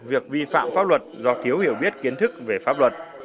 việc vi phạm pháp luật do thiếu hiểu biết kiến thức về pháp luật